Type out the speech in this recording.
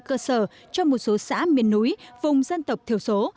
cơ sở cho một số xã miền núi vùng dân tộc thiểu số